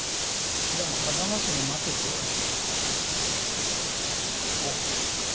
でも波佐間氏に待てって言われてるあっ！